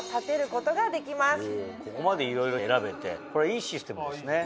ここまでいろいろ選べてこれいいシステムですね。